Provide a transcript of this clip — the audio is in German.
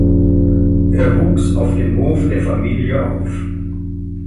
Er wuchs auf dem Hof der Familie auf.